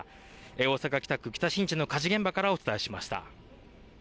大阪北区、北新地の火事現場からお伝えしました。